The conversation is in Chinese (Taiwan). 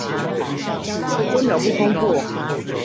分秒不空過